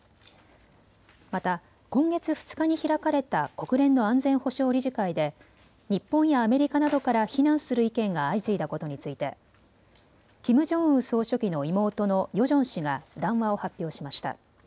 また今月２日に開かれた国連の安全保障理事会で日本やアメリカなどから非難する意見が相次いだことについてキム・ジョンウン総書記の妹のヨジョン氏が談話を発表しました。